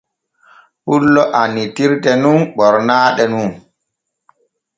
Pullo annitirte nun ɓornaaɗe nun.